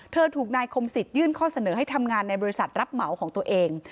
ถูกนายคมสิทธิยื่นข้อเสนอให้ทำงานในบริษัทรับเหมาของตัวเอง